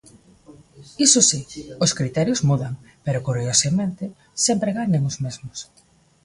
Iso si, os criterios mudan pero curiosamente sempre gañan os mesmos.